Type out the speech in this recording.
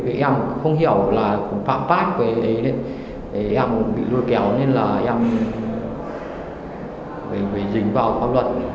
em không hiểu là phạm pháp với em bị lôi kéo nên là em phải dính vào pháp luật